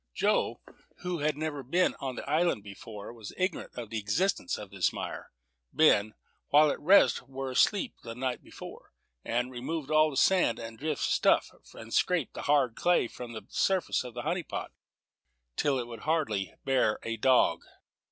Joe, who had never been on the island before, was ignorant of the existence of this mire. Ben, while the rest were asleep the night before, had removed all the sand and drift stuff, and scraped the hard clay from the surface of the honey pot, till it would hardly bear a dog.